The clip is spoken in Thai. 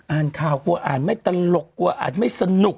อ่านทางกว่าอ่านไม่ตลกกว่าอ่านไม่สนุก